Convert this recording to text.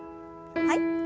はい。